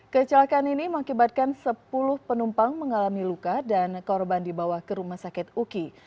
kecelakaan ini mengakibatkan sepuluh penumpang mengalami luka dan korban dibawa ke rumah sakit uki